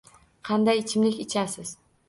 Qanday ichimlik ichasiz?